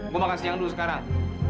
gue makan siang dulu sekarang